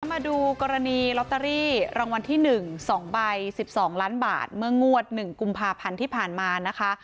มาดูกรณีลอตเตอรี่รางวัลที่๑๒ใบ๑๒ล้านบาทเมื่องวด๑กุมภาพันธ์ที่ผ่านมานะคะ